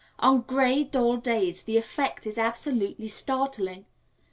On gray, dull days the effect is absolutely startling.